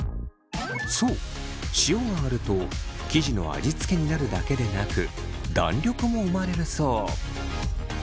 そう塩があると生地の味付けになるだけでなく弾力も生まれるそう。